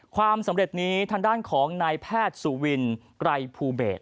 ความสำเร็จนี้ทางด้านของนายแพทย์สุวินไกรภูเบศ